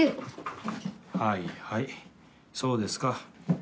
はいはいそうですか。